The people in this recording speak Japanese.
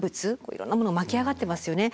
いろんなもの巻き上がってますよね。